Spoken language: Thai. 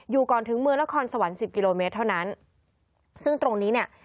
ก่อนถึงเมืองนครสวรรค์สิบกิโลเมตรเท่านั้นซึ่งตรงนี้เนี่ย